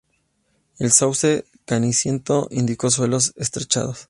El sauce ceniciento indica suelos encharcados.